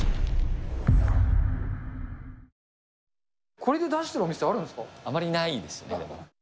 これで出してるお店、あるんあまりないですね。